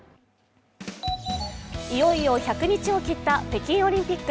いよいよ１００日を切った北京オリンピック。